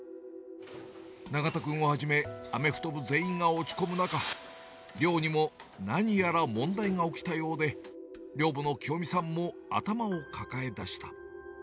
永田君をはじめ、アメフト部全員が落ち込む中、寮にも何やら問題が起きたようで、寮母のきよみさんも頭を抱えだした。